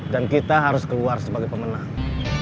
dan kita harus keluar sebagai pemenang